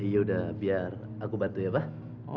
ya udah biar aku bantu ya pak